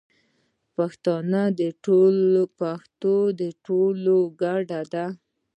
پښتو د ټولو ګډه ده.